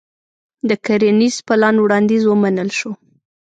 د کرنيز پلان وړانديز ومنل شو.